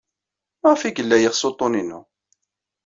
Maɣef ay yella yeɣs uḍḍun-inu?